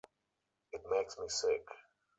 It makes me sick.